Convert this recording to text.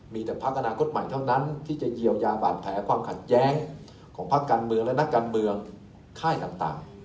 มีแต่พักอนาคตใหม่เท่านั้นที่จะเยียวยาบาดแผลความขัดแย้งของพักการเมืองและนักการเมืองค่ายต่าง